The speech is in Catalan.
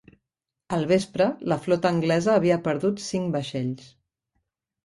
Al vespre, la flota anglesa havia perdut cinc vaixells.